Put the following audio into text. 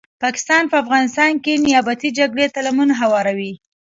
پاکستان په افغانستان کې نیابتې جګړي ته لمن هواروي